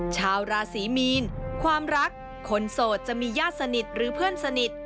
ชาวราศีมีนความรักคนโสดจะมีญาติสนิทหรือเพื่อนสนิท